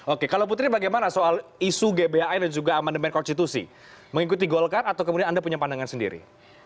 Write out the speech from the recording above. oke kalau putri bagaimana soal isu gbhn dan juga amandemen konstitusi mengikuti golkar atau kemudian anda punya pandangan sendiri